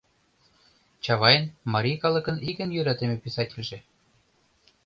Чавайн — марий калыкын ик эн йӧратыме писательже.